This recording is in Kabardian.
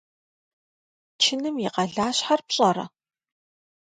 Чыным и къалащхьэр пщӏэрэ?